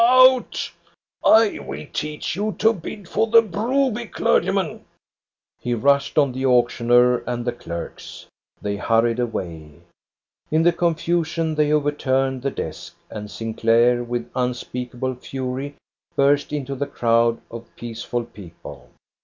Out ! I will teach you to bid for the Broby clergyman !" He rushed on the auctioneer and the clerks. They hurried away. In the confusion they overturned the desk, and Sinclair with unspeakable fury burst into the crowd of peaceful people.